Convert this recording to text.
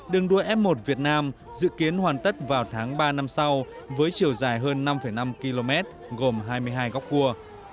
đường đua f một việt nam dự kiến hoàn tất vào tháng ba năm sau với chiều dài hơn năm năm km gồm hai mươi hai góc cua